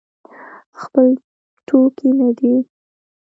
خپل ټوکي نه دی.